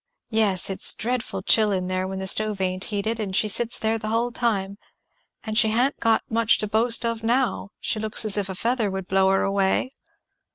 "Yes it's dreadful chill in there when the stove ain't heated, and she sits there the hull time. And she ha'n't 'got much to boast of now: she looks as if a feather would blow her away."